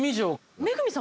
恵さん